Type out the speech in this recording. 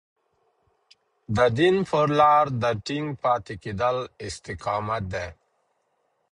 د دين پر لار د ټينګ پاتې کېدل استقامت دی.